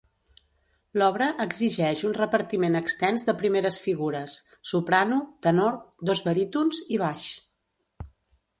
L'obra exigeix un repartiment extens de primeres figures: soprano, tenor, dos barítons i baix.